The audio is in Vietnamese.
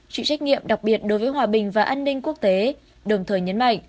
chịu trách nhiệm đặc biệt đối với hòa bình và an ninh quốc tế đồng thời nhấn mạnh